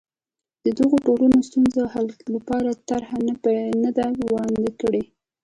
خو د دغو ټولنو ستونزو حل لپاره طرحه نه ده وړاندې کړې.